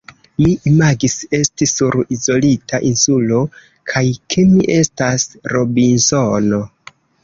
Mi imagis esti sur izolita insulo, kaj ke mi estas Robinsono.